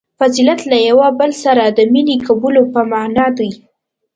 • فضیلت له یوه بل سره د مینې کولو په معنیٰ دی.